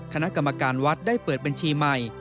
คณะกรรมการวัดได้เปิดบัญชีใหม่